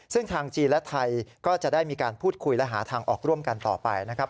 ซึ่งทางจีนและไทยก็จะได้มีการพูดคุยและหาทางออกร่วมกันต่อไปนะครับ